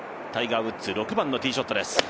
タイガー・ウッズ、６番のティーショットです。